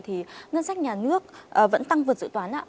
thì ngân sách nhà nước vẫn tăng vượt dự toán